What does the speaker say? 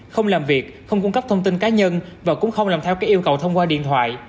không làm việc không cung cấp thông tin cá nhân và cũng không làm theo các yêu cầu thông qua điện thoại